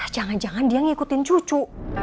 jangan jangan dia ngikutin cucu